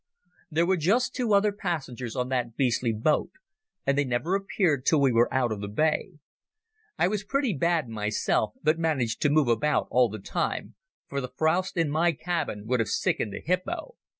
There were just two other passengers on that beastly boat, and they never appeared till we were out of the Bay. I was pretty bad myself, but managed to move about all the time, for the frowst in my cabin would have sickened a hippo.